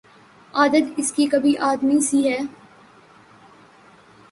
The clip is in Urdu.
عادت اس کی بھی آدمی سی ہے